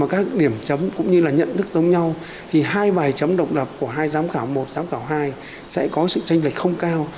các điểm chấm cũng như là nhận thức giống nhau thì hai bài chấm độc lập của hai giám khảo một giám khảo hai sẽ có sự tranh lệch không cao